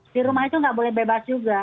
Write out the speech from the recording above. di rumah itu nggak boleh bebas juga